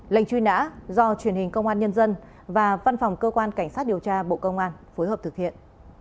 lệnh truy nã do truyền hình công an nhân dân và văn phòng cơ quan cảnh sát điều tra bộ công an phối hợp thực hiện